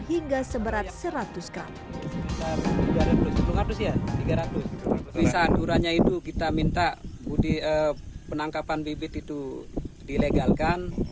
hingga seberat seratus gram bisa aduranya itu kita minta budi penangkapan bibit itu dilegalkan